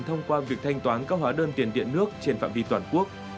thông qua việc thanh toán các hóa đơn tiền điện nước trên phạm vi toàn quốc